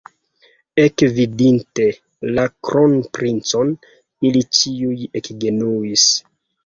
Ekvidinte la kronprincon, ili ĉiuj ekgenuis.